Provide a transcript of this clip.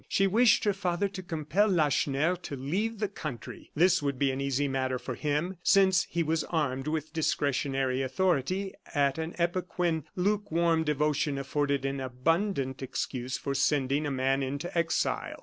She wished her father to compel Lacheneur to leave the country. This would be an easy matter for him, since he was armed with discretionary authority at an epoch when lukewarm devotion afforded an abundant excuse for sending a man into exile.